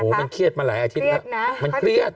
มันเครียดมาหลายอาทิตย์แล้วมันเครียด